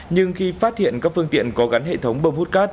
nhưng khi phát hiện các phương tiện có gắn hệ thống bơm hút cát